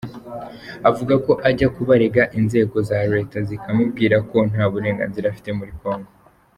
Avuga ko ajya kubarega inzego za Leta zikamubwira ko nta burenganzira afite muri Congo.